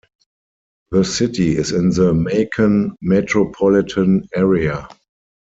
The city is in the Macon metropolitan area.